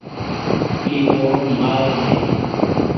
اي ڪوپ مآرو ڇي۔